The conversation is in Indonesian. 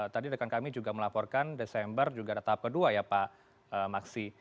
tadi rekan kami juga melaporkan desember juga ada tahap kedua ya pak maksi